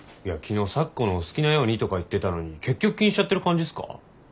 いや昨日「咲子のお好きなように」とか言ってたのに結局気にしちゃってる感じっすか？